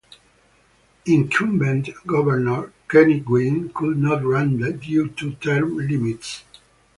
Incumbent Governor Kenny Guinn could not run due to term limits.